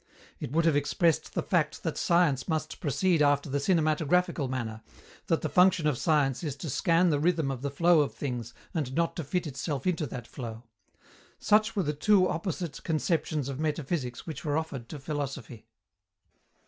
It would have expressed the fact that science must proceed after the cinematographical manner, that the function of science is to scan the rhythm of the flow of things and not to fit itself into that flow. Such were the two opposite conceptions of metaphysics which were offered to philosophy.